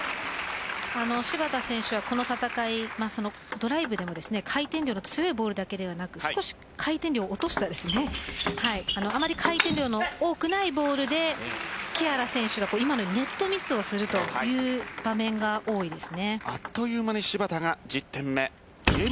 芝田選手、この戦いドライブでも回転量の強いボールだけでなく少し回転量を落としたあまり回転量の多くないボールで木原選手がネットミスをするという場面が多いです。